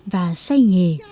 và xây nghề